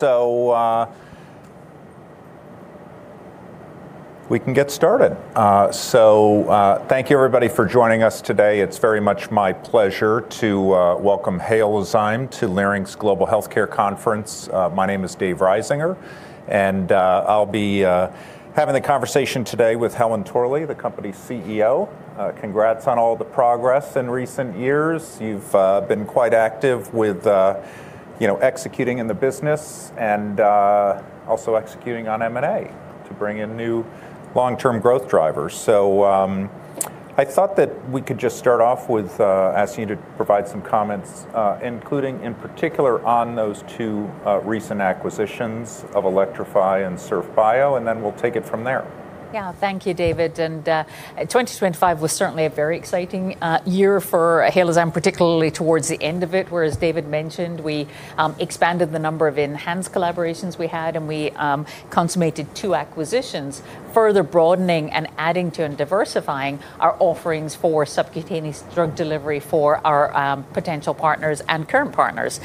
We can get started. Thank you everybody for joining us today. It's very much my pleasure to welcome Halozyme to Leerink's Global Healthcare Conference. My name is Dave Risinger, and I'll be having a conversation today with Helen Torley, the company CEO. Congrats on all the progress in recent years. You've been quite active with you know, executing in the business and also executing on M&A to bring in new long-term growth drivers. I thought that we could just start off with asking you to provide some comments, including in particular on those two recent acquisitions of Elektrofi and Surf Bio, and then we'll take it from there. Yeah. Thank you, David. 2025 was certainly a very exciting year for Halozyme, particularly towards the end of it, where, as David mentioned, we expanded the number of ENHANZE collaborations we had, and we consummated two acquisitions, further broadening and adding to and diversifying our offerings for subcutaneous drug delivery for our potential partners and current partners.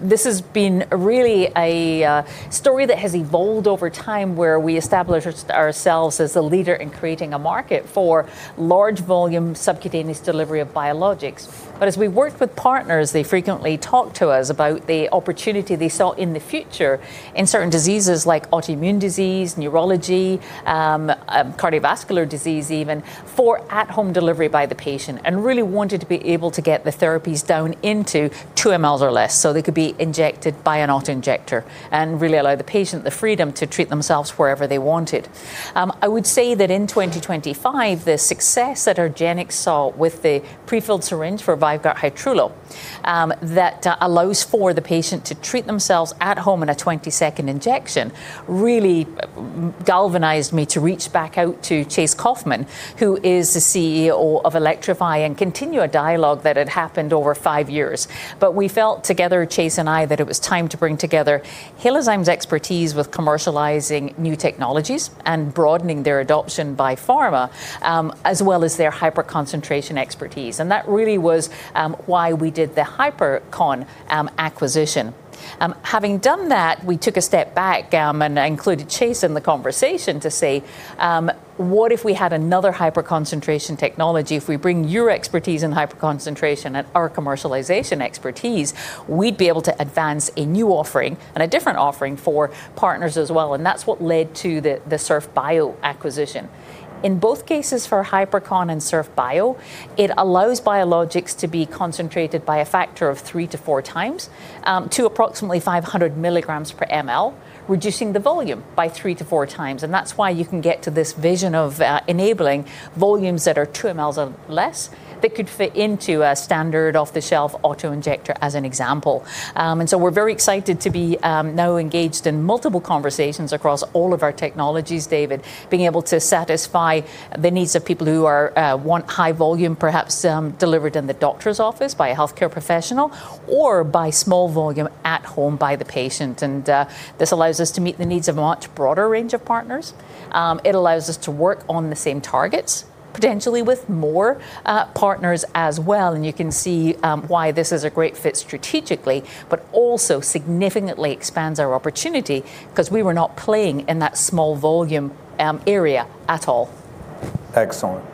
This has been really a story that has evolved over time, where we established ourselves as a leader in creating a market for large volume subcutaneous delivery of biologics. As we worked with partners, they frequently talked to us about the opportunity they saw in the future in certain diseases like autoimmune disease, neurology, cardiovascular disease even, for at-home delivery by the patient, and really wanted to be able to get the therapies down into 2 mL or less, so they could be injected by an autoinjector and really allow the patient the freedom to treat themselves wherever they wanted. I would say that in 2025, the success that argenx saw with the prefilled syringe for VYVGART Hytrulo allows for the patient to treat themselves at home in a 20-second injection really galvanized me to reach back out to Chase Coffman, who is the CEO of Elektrofi, and continue a dialogue that had happened over five years. We felt together, Chase and I, that it was time to bring together Halozyme's expertise with commercializing new technologies and broadening their adoption by pharma, as well as their hyperconcentration expertise. That really was why we did the Hypercon acquisition. Having done that, we took a step back and included Chase in the conversation to say, "What if we had another hyperconcentration technology? If we bring your expertise in hyperconcentration and our commercialization expertise, we'd be able to advance a new offering and a different offering for partners as well." That's what led to the Surf Bio acquisition. In both cases, for Hypercon and Surf Bio, it allows biologics to be concentrated by a factor of 3x-4x to approximately 500 mg/mL, reducing the volume by 3x-4x. That's why you can get to this vision of enabling volumes that are 2 mL or less that could fit into a standard off-the-shelf autoinjector, as an example. We're very excited to be now engaged in multiple conversations across all of our technologies, David, being able to satisfy the needs of people who want high volume, perhaps, delivered in the doctor's office by a healthcare professional or by small volume at home by the patient. This allows us to meet the needs of a much broader range of partners. It allows us to work on the same targets, potentially with more partners as well, and you can see why this is a great fit strategically, but also significantly expands our opportunity, 'cause we were not playing in that small volume area at all. Excellent.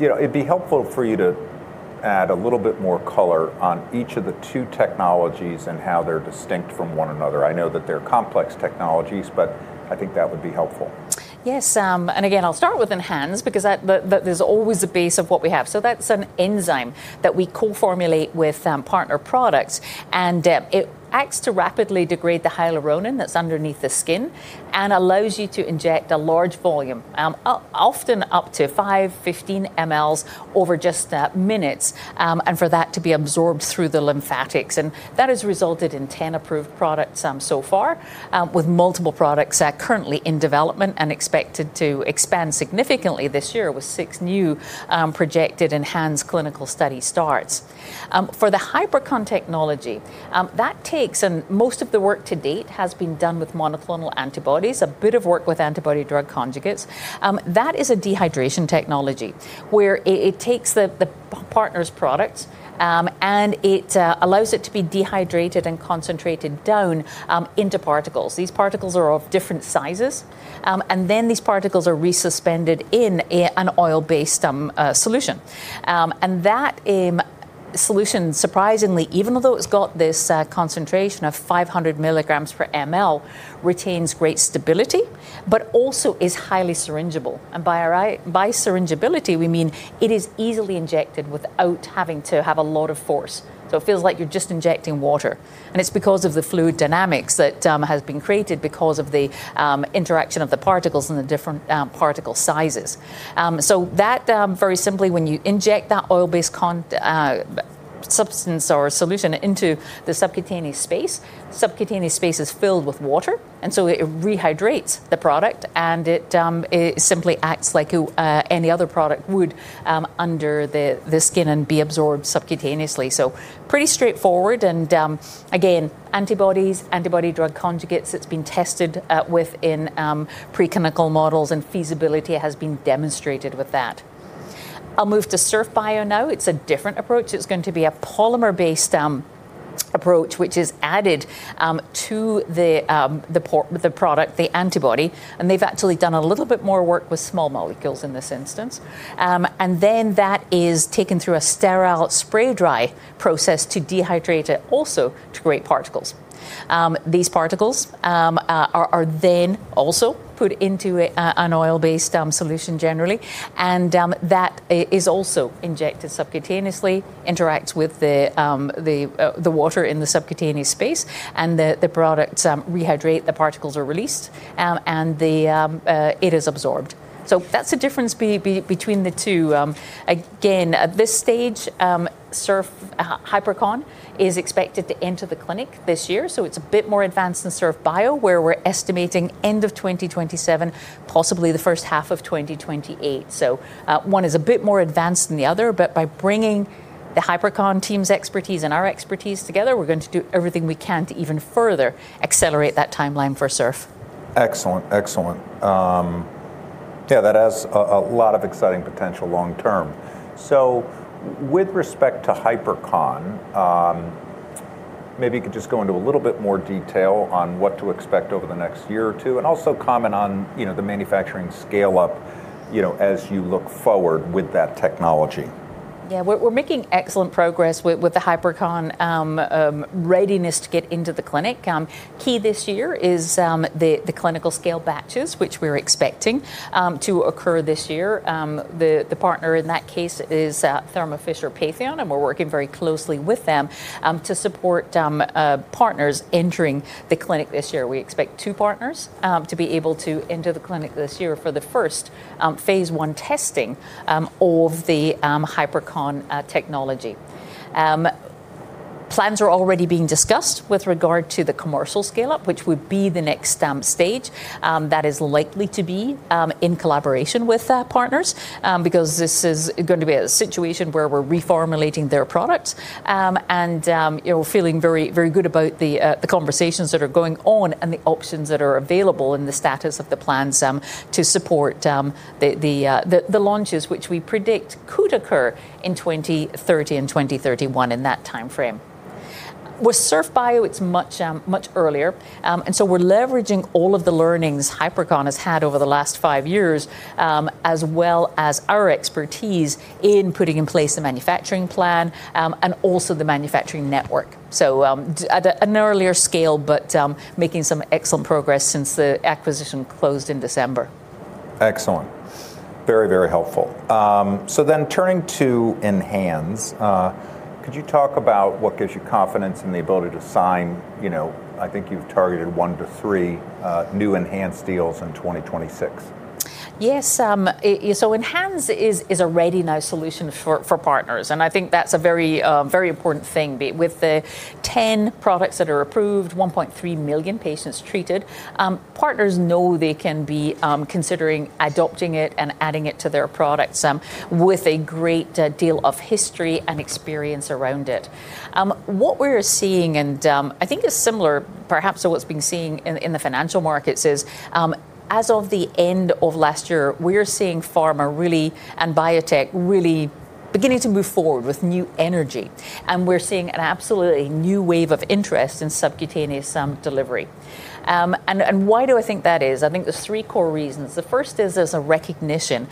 You know, it'd be helpful for you to add a little bit more color on each of the two technologies and how they're distinct from one another. I know that they're complex technologies, but I think that would be helpful. Yes, again, I'll start with ENHANZE, because that is always the base of what we have. That's an enzyme that we co-formulate with partner products, and it acts to rapidly degrade the hyaluronan that's underneath the skin and allows you to inject a large volume, often up to 5 mL-15 mL over just minutes, and for that to be absorbed through the lymphatics. That has resulted in 10 approved products so far, with multiple products currently in development and expected to expand significantly this year with six new projected ENHANZE clinical study starts. For the Hypercon technology, most of the work to date has been done with monoclonal antibodies, a bit of work with antibody-drug conjugates. That is a dehydration technology where it takes the partner's products and allows it to be dehydrated and concentrated down into particles. These particles are of different sizes. These particles are resuspended in an oil-based solution. That solution, surprisingly, even though it's got this concentration of 500 mg/mL, retains great stability, but also is highly syringeable. By syringeability, we mean it is easily injected without having to have a lot of force. It feels like you're just injecting water, and it's because of the fluid dynamics that has been created because of the interaction of the particles and the different particle sizes. That very simply, when you inject that oil-based substance or solution into the subcutaneous space, the subcutaneous space is filled with water, and so it rehydrates the product, and it simply acts like any other product would under the skin and be absorbed subcutaneously. Pretty straightforward and, again, antibodies, antibody-drug conjugates that's been tested within preclinical models and feasibility has been demonstrated with that. I'll move to Surf Bio now. It's a different approach. It's going to be a polymer-based approach, which is added to the product, the antibody, and they've actually done a little bit more work with small molecules in this instance. And then that is taken through a sterile spray dry process to dehydrate it also to create particles. These particles are then also put into an oil-based solution generally, and that is also injected subcutaneously, interacts with the water in the subcutaneous space, and the products rehydrate, the particles are released, and it is absorbed. That's the difference between the two. Again, at this stage, our Hypercon is expected to enter the clinic this year, so it's a bit more advanced than Surf Bio, where we're estimating end of 2027, possibly the first half of 2028. One is a bit more advanced than the other, but by bringing the Hypercon team's expertise and our expertise together, we're going to do everything we can to even further accelerate that timeline for Surf. Excellent. Yeah, that has a lot of exciting potential long term. With respect to Hypercon, maybe you could just go into a little bit more detail on what to expect over the next year or two, and also comment on, you know, the manufacturing scale-up, you know, as you look forward with that technology. Yeah, we're making excellent progress with the Hypercon readiness to get into the clinic. Key this year is the clinical scale batches, which we're expecting to occur this year. The partner in that case is Thermo Fisher Patheon, and we're working very closely with them to support partners entering the clinic this year. We expect two partners to be able to enter the clinic this year for the first phase I testing of the Hypercon technology. Plans are already being discussed with regard to the commercial scale-up, which would be the next stage that is likely to be in collaboration with our partners. Because this is going to be a situation where we're reformulating their product, and you know, feeling very, very good about the conversations that are going on and the options that are available and the status of the plans to support the launches which we predict could occur in 2030 and 2031, in that timeframe. With Surf Bio, it's much earlier, and we're leveraging all of the learnings Hypercon has had over the last five years, as well as our expertise in putting in place a manufacturing plan, and also the manufacturing network. At an earlier scale, but making some excellent progress since the acquisition closed in December. Excellent. Very, very helpful. Turning to ENHANZE, could you talk about what gives you confidence in the ability to sign, you know, I think you've targeted one to three new ENHANZE deals in 2026? Yes. So ENHANZE is a ready now solution for partners, and I think that's a very important thing. With the 10 products that are approved, 1.3 million patients treated, partners know they can be considering adopting it and adding it to their products, with a great deal of history and experience around it. What we're seeing, and I think is similar perhaps to what's been seen in the financial markets, is, as of the end of last year, we're seeing pharma really, and biotech really beginning to move forward with new energy, and we're seeing an absolutely new wave of interest in subcutaneous delivery. And why do I think that is? I think there's three core reasons. The first is there's a recognition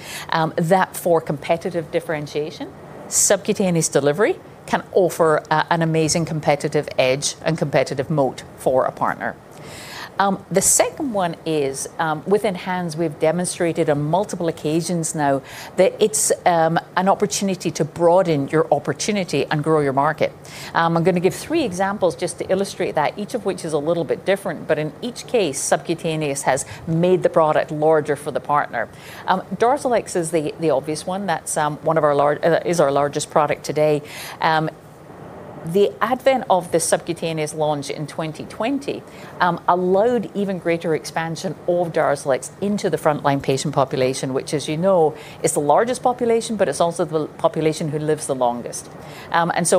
that for competitive differentiation, subcutaneous delivery can offer an amazing competitive edge and competitive moat for a partner. The second one is with ENHANZE, we've demonstrated on multiple occasions now that it's an opportunity to broaden your opportunity and grow your market. I'm gonna give three examples just to illustrate that, each of which is a little bit different, but in each case, subcutaneous has made the product larger for the partner. DARZALEX is the obvious one. That's our largest product today. The advent of the subcutaneous launch in 2020 allowed even greater expansion of DARZALEX into the frontline patient population, which, as you know, is the largest population, but it's also the population who lives the longest.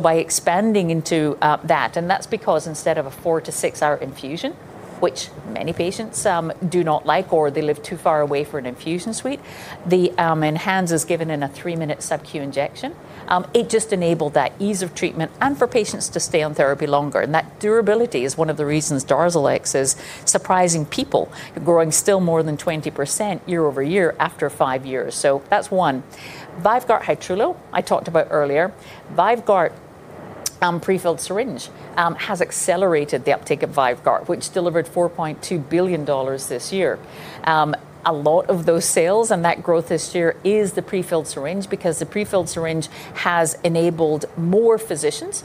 By expanding into that, and that's because instead of a four- to six-hour infusion, which many patients do not like or they live too far away for an infusion suite, the ENHANZE is given in a three-minute subQ injection. It just enabled that ease of treatment and for patients to stay on therapy longer, and that durability is one of the reasons DARZALEX is surprising people, growing still more than 20% year-over-year after five years. That's one. VYVGART Hytrulo I talked about earlier. VYVGART pre-filled syringe has accelerated the uptake of VYVGART, which delivered $4.2 billion this year. A lot of those sales and that growth this year is the pre-filled syringe, because the pre-filled syringe has enabled more physicians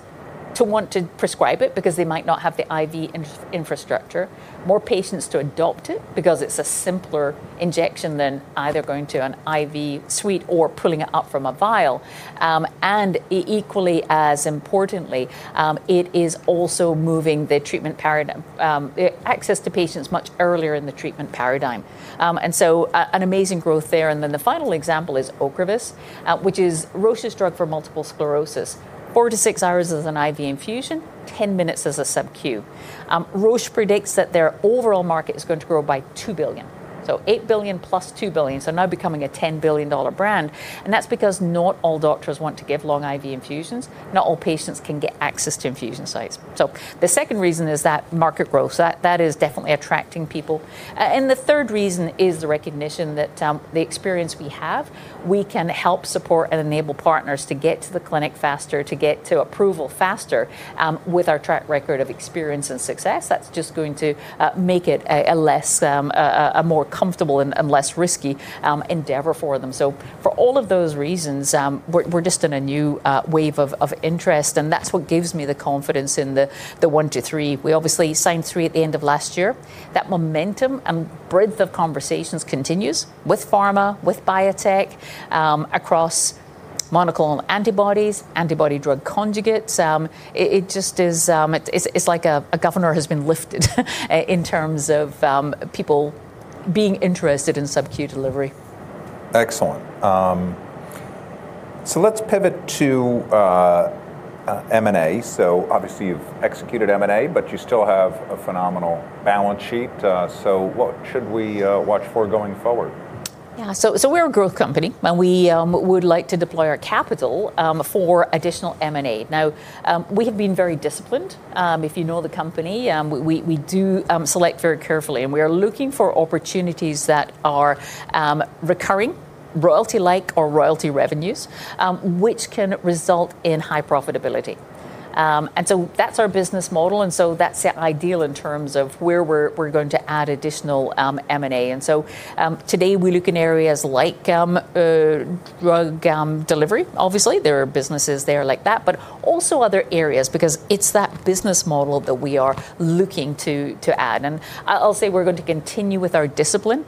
to want to prescribe it because they might not have the IV infrastructure, more patients to adopt it because it's a simpler injection than either going to an IV suite or pulling it up from a vial. Equally as importantly, it is also moving the treatment paradigm, access to patients much earlier in the treatment paradigm. An amazing growth there. The final example is OCREVUS, which is Roche's drug for multiple sclerosis. Four to six hours as an IV infusion, 10 minutes as a subQ. Roche predicts that their overall market is going to grow by $2 billion. $8 billion + $2 billion, now becoming a $10 billion brand, and that's because not all doctors want to give long IV infusions, not all patients can get access to infusion sites. The second reason is that market growth. That is definitely attracting people. And the third reason is the recognition that the experience we have, we can help support and enable partners to get to the clinic faster, to get to approval faster, with our track record of experience and success. That's just going to make it a less, a more comfortable and less risky endeavor for them. For all of those reasons, we're just in a new wave of interest, and that's what gives me the confidence in the one to three. We obviously signed three at the end of last year. That momentum and breadth of conversations continues with pharma, with biotech, across monoclonal antibodies, antibody-drug conjugates. It just is. It's like a governor has been lifted in terms of people being interested in subQ delivery. Excellent. Let's pivot to M&A. Obviously you've executed M&A, but you still have a phenomenal balance sheet. What should we watch for going forward? Yeah. We're a growth company, and we would like to deploy our capital for additional M&A. Now, we have been very disciplined. If you know the company, we do select very carefully, and we are looking for opportunities that are recurring, royalty-like or royalty revenues, which can result in high profitability. That's our business model, and that's ideal in terms of where we're going to add additional M&A. Today, we look in areas like drug delivery. Obviously, there are businesses there like that. Also other areas because it's that business model that we are looking to add. I'll say we're going to continue with our discipline.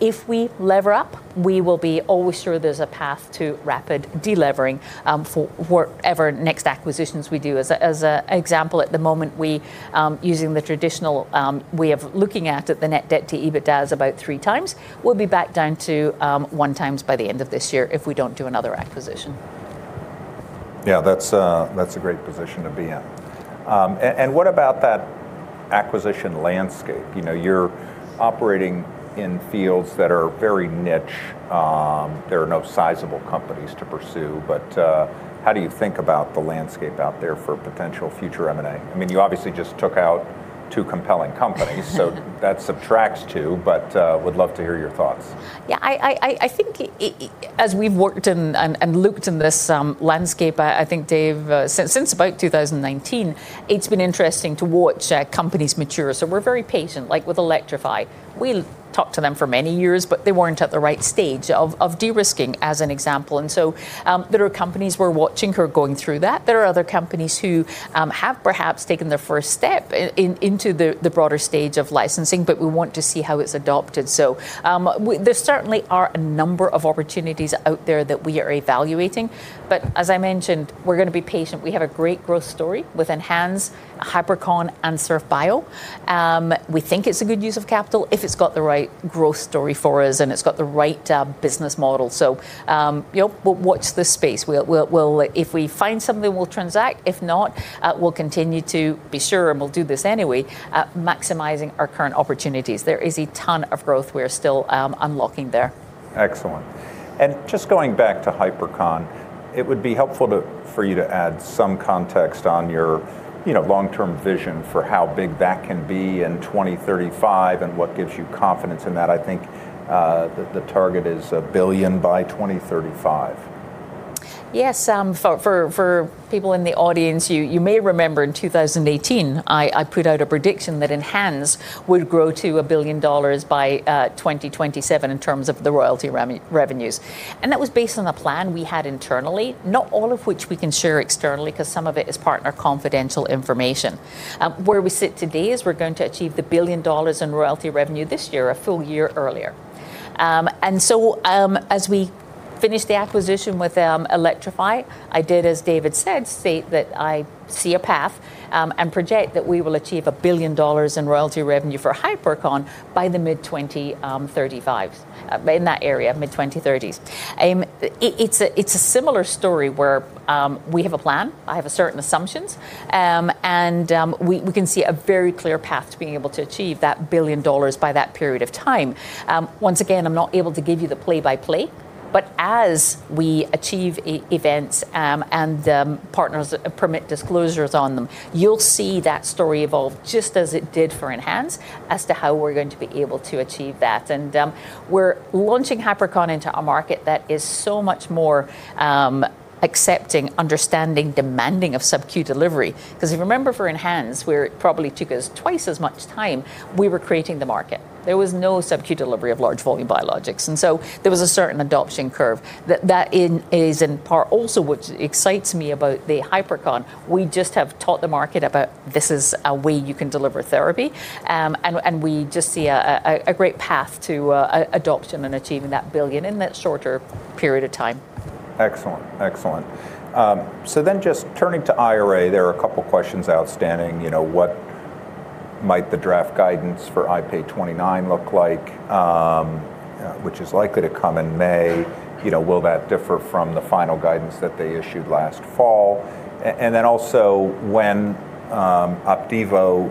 If we lever up, we will be always sure there's a path to rapid de-levering for whatever next acquisitions we do. As an example at the moment, we're using the traditional way of looking at it, the net debt to EBITDA is about 3x. We'll be back down to 1x by the end of this year if we don't do another acquisition. Yeah, that's a great position to be in. What about that acquisition landscape? You know, you're operating in fields that are very niche. There are no sizable companies to pursue, but how do you think about the landscape out there for potential future M&A? I mean, you obviously just took out two compelling companies, so that subtracts two, but would love to hear your thoughts. Yeah, I think as we've worked and looked in this landscape, I think, Dave, since about 2019, it's been interesting to watch companies mature, so we're very patient. Like with Elektrofi, we talked to them for many years, but they weren't at the right stage of de-risking, as an example. There are companies we're watching who are going through that. There are other companies who have perhaps taken their first step into the broader stage of licensing. But we want to see how it's adopted. There certainly are a number of opportunities out there that we are evaluating. But as I mentioned, we're gonna be patient. We have a great growth story with ENHANZE, Hypercon, and Surf Bio. We think it's a good use of capital if it's got the right growth story for us and it's got the right business model. You know, we'll watch this space. If we find something, we'll transact. If not, we'll continue to be sure, and we'll do this anyway, maximizing our current opportunities. There is a ton of growth we're still unlocking there. Excellent. Just going back to Hypercon, it would be helpful to, for you to add some context on your, you know, long-term vision for how big that can be in 2035 and what gives you confidence in that. I think the target is $1 billion by 2035. Yes, for people in the audience, you may remember in 2018, I put out a prediction that ENHANZE would grow to $1 billion by 2027 in terms of the royalty revenues, and that was based on the plan we had internally, not all of which we can share externally 'cause some of it is partner confidential information. Where we sit today is we're going to achieve $1 billion in royalty revenue this year, a full year earlier. As we finish the acquisition with Elektrofi, I did, as David said, state that I see a path and project that we will achieve $1 billion in royalty revenue for Hypercon by the mid-2035, in that area, mid-2030s. It's a similar story where we have a plan. I have certain assumptions. We can see a very clear path to being able to achieve that $1 billion by that period of time. Once again, I'm not able to give you the play-by-play. As we achieve events, and partners permit disclosures on them, you'll see that story evolve just as it did for ENHANZE as to how we're going to be able to achieve that. We're launching Hypercon into a market that is so much more accepting, understanding, demanding of subQ delivery. 'Cause if you remember for ENHANZE, where it probably took us twice as much time, we were creating the market. There was no subQ delivery of large volume biologics, and so there was a certain adoption curve. That in part is also what excites me about the Hypercon. We just have taught the market about this is a way you can deliver therapy. We just see a great path to adoption and achieving that $1 billion in that shorter period of time. Excellent. Just turning to IRA, there are a couple questions outstanding. You know, what might the draft guidance for IP 2029 look like, which is likely to come in May. You know, will that differ from the final guidance that they issued last fall? And then also, when Opdivo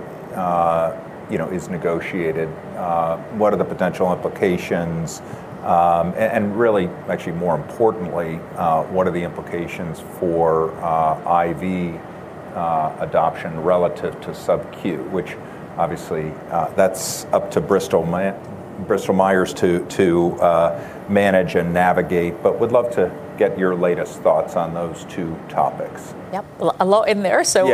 you know, is negotiated, what are the potential implications? And really, actually more importantly, what are the implications for IV adoption relative to subQ? Which obviously, that's up to Bristol Myers to manage and navigate. Would love to get your latest thoughts on those two topics. Yep. A lot in there. So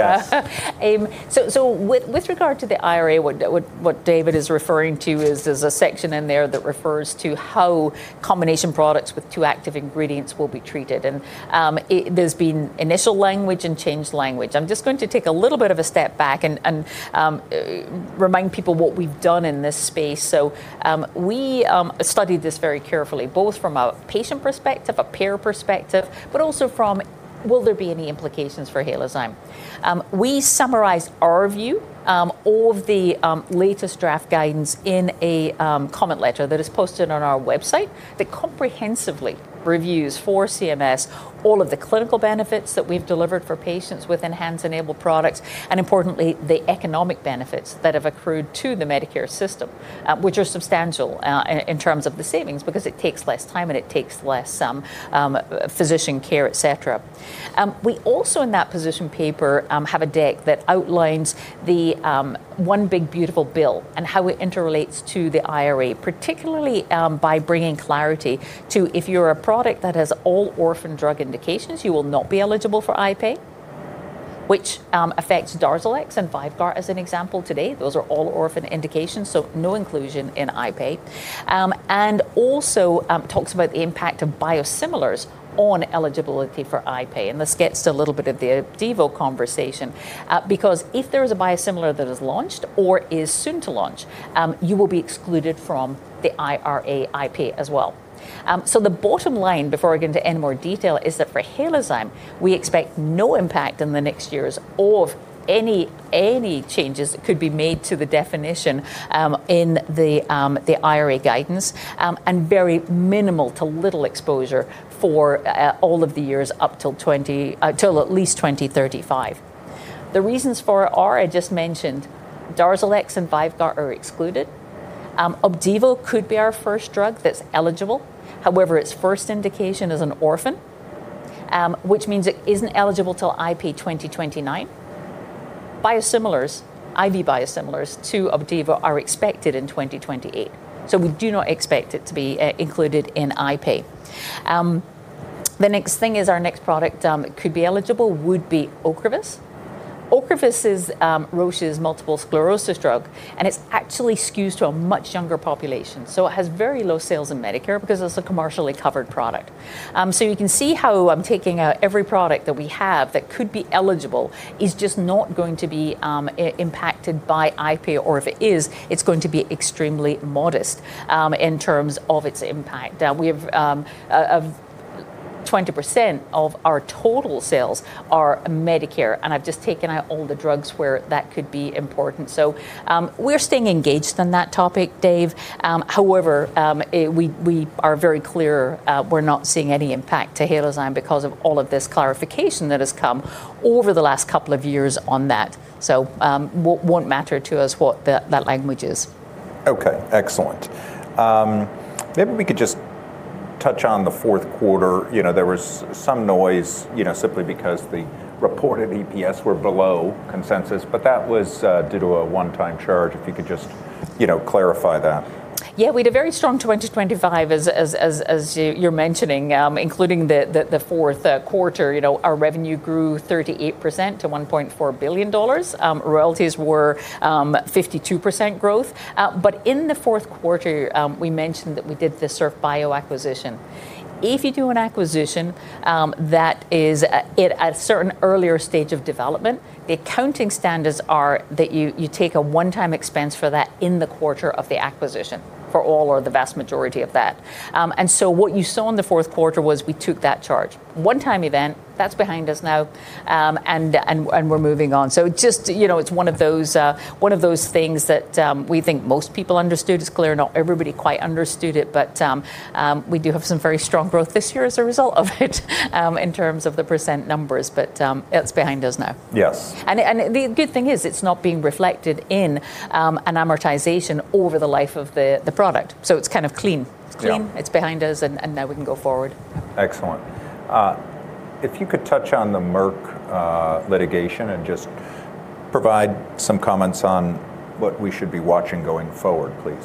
with regard to the IRA, what David is referring to is there's a section in there that refers to how combination products with two active ingredients will be treated. There's been initial language and changed language. I'm just going to take a little bit of a step back and remind people what we've done in this space. We studied this very carefully, both from a patient perspective, a payer perspective, but also from will there be any implications for Halozyme? We summarized our view of the latest draft guidance in a comment letter that is posted on our website, that comprehensively reviews for CMS all of the clinical benefits that we've delivered for patients with ENHANZE-enabled products, and importantly, the economic benefits that have accrued to the Medicare system, which are substantial in terms of the savings, because it takes less time and it takes less physician care, et cetera. We also in that position paper have a deck that outlines the One Big Beautiful Bill and how it interrelates to the IRA, particularly by bringing clarity to if you're a product that has all orphan drug indications, you will not be eligible for IPAY, which affects DARZALEX and VYVGART as an example today. Those are all orphan indications, so no inclusion in IPAY. Also talks about the impact of biosimilars on eligibility for IPAY, and this gets to a little bit of the Opdivo conversation, because if there is a biosimilar that is launched or is soon to launch, you will be excluded from the IRA IPAY as well. The bottom line, before I get into any more detail, is that for Halozyme, we expect no impact in the next years of any changes that could be made to the definition in the IRA guidance, and very minimal to little exposure for all of the years up till at least 2035. The reasons for it are, I just mentioned, DARZALEX and VYVGART are excluded. Opdivo could be our first drug that's eligible. However, its first indication is an orphan, which means it isn't eligible till IPAY 2029. Biosimilars, IV biosimilars to Opdivo are expected in 2028. We do not expect it to be included in IPAY. The next thing is our next product could be eligible would be OCREVUS. OCREVUS is Roche's multiple sclerosis drug, and it's actually skews to a much younger population, so it has very low sales in Medicare because it's a commercially covered product. You can see how I'm taking out every product that we have that could be eligible is just not going to be impacted by IPAY, or if it is, it's going to be extremely modest in terms of its impact. We have 20% of our total sales are Medicare, and I've just taken out all the drugs where that could be important. We're staying engaged on that topic, Dave. However, we are very clear we're not seeing any impact to Halozyme because of all of this clarification that has come over the last couple of years on that. Won't matter to us what that language is. Okay. Excellent. Maybe we could just touch on the fourth quarter. You know, there was some noise, you know, simply because the reported EPS were below consensus, but that was due to a one-time charge, if you could just, you know, clarify that. Yeah. We had a very strong 2025 as you're mentioning, including the fourth quarter. You know, our revenue grew 38% to $1.4 billion. Royalties were 52% growth. But in the fourth quarter, we mentioned that we did the Surf Bio acquisition. If you do an acquisition that is at a certain earlier stage of development, the accounting standards are that you take a one-time expense for that in the quarter of the acquisition for all or the vast majority of that. And so what you saw in the fourth quarter was we took that charge. One-time event, that's behind us now, and we're moving on. Just, you know, it's one of those things that we think most people understood. It's clear not everybody quite understood it, but we do have some very strong growth this year as a result of it, in terms of the percent numbers, but it's behind us now. The good thing is it's not being reflected in an amortization over the life of the product. It's kind of clean. It's clean, it's behind us, and now we can go forward. Excellent. If you could touch on the Merck litigation and just provide some comments on what we should be watching going forward, please.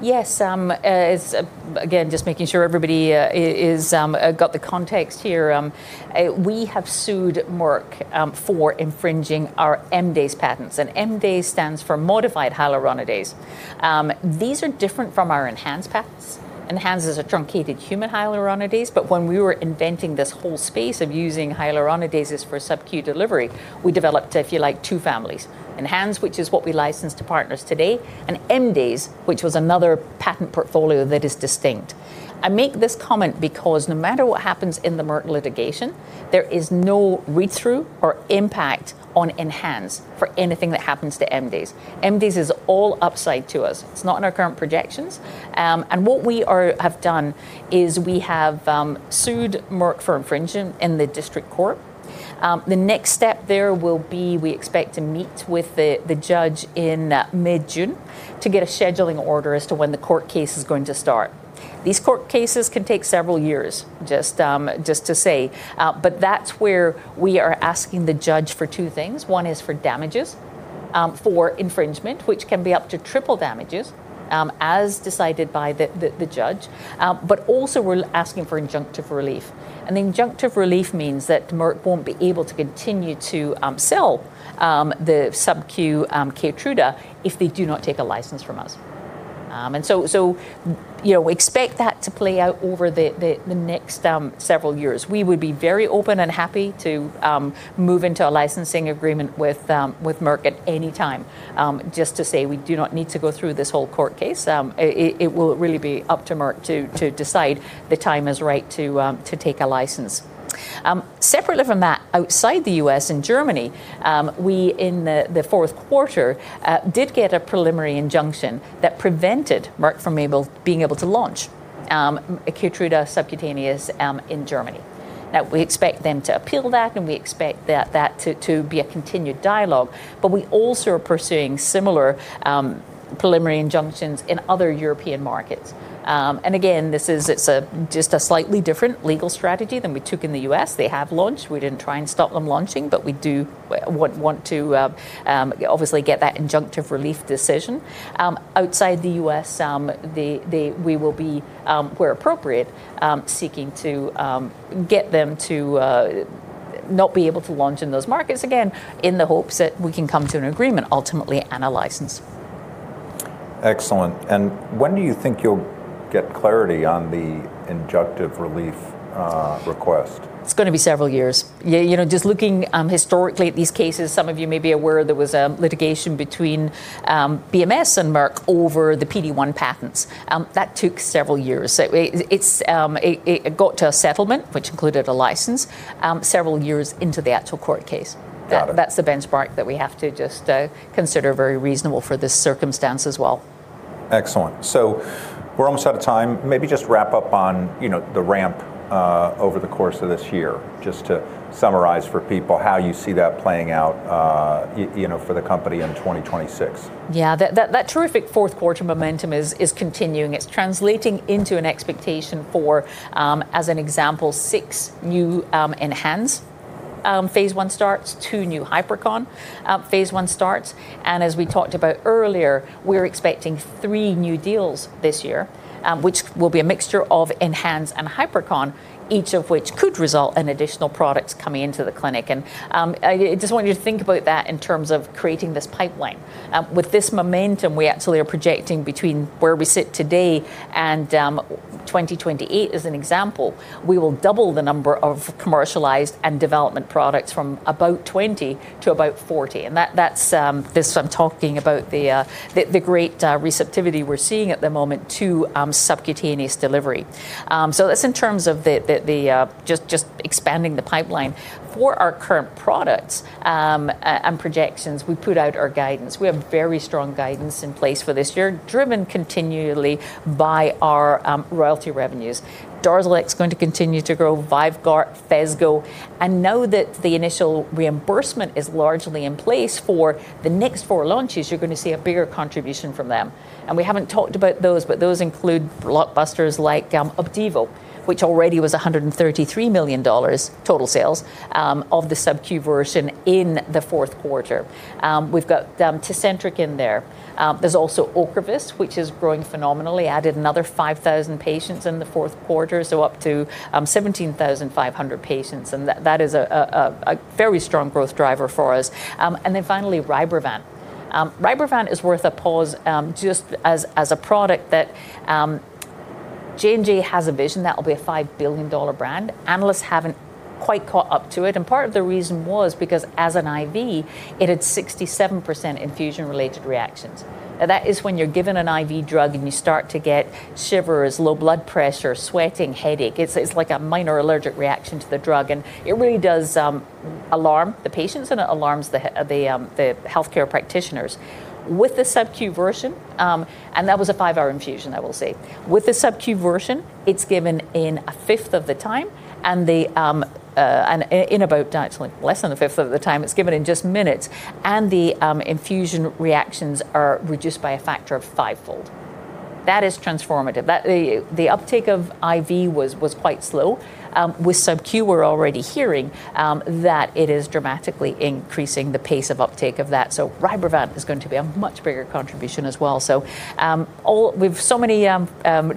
Yes. It's again, just making sure everybody has got the context here. We have sued Merck for infringing our MDASE patents, and MDASE stands for modified hyaluronidase. These are different from our enhanced patents. Enhanced is a truncated human hyaluronidase, but when we were inventing this whole space of using hyaluronidases for subQ delivery, we developed, if you like, two families, enhanced, which is what we licensed to partners today, and MDASE, which was another patent portfolio that is distinct. I make this comment because no matter what happens in the Merck litigation, there is no read-through or impact on enhanced for anything that happens to MDASE. MDASE is all upside to us. It's not in our current projections. What we have done is we have sued Merck for infringement in the district court. The next step there will be we expect to meet with the judge in mid-June to get a scheduling order as to when the court case is going to start. These court cases can take several years, just to say. But that's where we are asking the judge for two things. One is for damages for infringement, which can be up to triple damages as decided by the judge. But also we're asking for injunctive relief, and injunctive relief means that Merck won't be able to continue to sell the subQ KEYTRUDA if they do not take a license from us. You know, expect that to play out over the next several years. We would be very open and happy to move into a licensing agreement with Merck at any time. Just to say we do not need to go through this whole court case. It will really be up to Merck to decide the time is right to take a license. Separately from that, outside the U.S. and Germany, we in the fourth quarter did get a preliminary injunction that prevented Merck from being able to launch KEYTRUDA subcutaneous in Germany. Now we expect them to appeal that, and we expect that to be a continued dialogue. We also are pursuing similar preliminary injunctions in other European markets. Again, this is just a slightly different legal strategy than we took in the U.S. They have launched. We didn't try and stop them launching, but we do want to obviously get that injunctive relief decision. Outside the U.S., we will be where appropriate seeking to get them to not be able to launch in those markets again in the hopes that we can come to an agreement ultimately and a license. Excellent. When do you think you'll get clarity on the injunctive relief request? It's gonna be several years. Yeah, you know, just looking historically at these cases, some of you may be aware there was a litigation between BMS and Merck over the PD-1 patents. That took several years. It got to a settlement which included a license several years into the actual court case. That's the benchmark that we have to just consider very reasonable for this circumstance as well. Excellent. We're almost out of time. Maybe just wrap up on, you know, the ramp over the course of this year. Just to summarize for people how you see that playing out, you know, for the company in 2026. Yeah, that terrific fourth quarter momentum is continuing. It's translating into an expectation for, as an example, six new ENHANZE phase I starts, two new Hypercon phase I starts, and as we talked about earlier, we're expecting three new deals this year, which will be a mixture of ENHANZE and Hypercon, each of which could result in additional products coming into the clinic. I just want you to think about that in terms of creating this pipeline. With this momentum, we actually are projecting between where we sit today and 2028 as an example, we will double the number of commercialized and development products from about 20 to about 40, and that's this I'm talking about the great receptivity we're seeing at the moment to subcutaneous delivery. That's in terms of just expanding the pipeline. For our current products and projections, we put out our guidance. We have very strong guidance in place for this year, driven continually by our royalty revenues. DARZALEX is going to continue to grow, VYVGART, Phesgo. Now that the initial reimbursement is largely in place for the next four launches, you're gonna see a bigger contribution from them. We haven't talked about those, but those include blockbusters like Opdivo, which already was $133 million total sales of the subQ version in the fourth quarter. We've got TECENTRIQ in there. There's also OCREVUS, which is growing phenomenally. Added another 5,000 patients in the fourth quarter, so up to 17,500 patients, and that is a very strong growth driver for us. Finally RYBREVANT. RYBREVANT is worth a pause, just as a product that J&J has a vision that will be a $5 billion brand. Analysts haven't quite caught up to it, and part of the reason was because as an IV, it had 67% infusion-related reactions. Now that is when you're given an IV drug and you start to get shivers, low blood pressure, sweating, headache. It's like a minor allergic reaction to the drug, and it really does alarm the patients, and it alarms the healthcare practitioners. With the subQ version, and that was a five-hour infusion, I will say. With the subQ version, it's given in a fifth of the time and in about less than a fifth of the time. It's given in just minutes and the infusion reactions are reduced by a factor of five-fold. That is transformative. The uptake of IV was quite slow. With subQ, we're already hearing that it is dramatically increasing the pace of uptake of that. RYBREVANT is going to be a much bigger contribution as well. All we've so many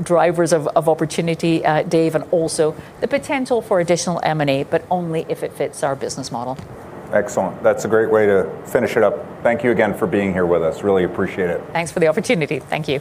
drivers of opportunity, Dave, and also the potential for additional M&A, but only if it fits our business model. Excellent. That's a great way to finish it up. Thank you again for being here with us. Really appreciate it. Thanks for the opportunity. Thank you.